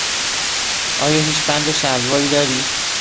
آیا هیچ بند شلواری دارید؟